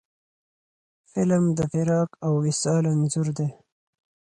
فلم د فراق او وصال انځور دی